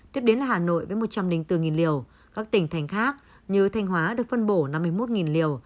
tiếp đến là hà nội với một trăm linh bốn liều các tỉnh thành khác như thanh hóa được phân bổ năm mươi một liều